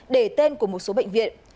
đề tên của một số bệnh viện